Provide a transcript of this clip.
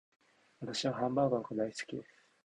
私はハンバーガーが大好きです